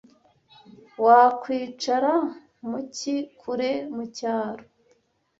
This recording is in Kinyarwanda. wakwicara mu cyi kure mucyaro